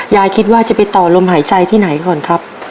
ยายคิดว่าจะไปต่อลมหายใจที่ไหนก่อนครับ